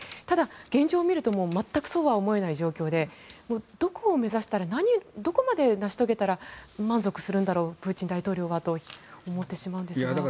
ただ、現状を見ると全くそうは思えない状況でどこを目指してどこまで成し遂げたら満足するんだろうプーチン大統領はと思ってしまうんですが。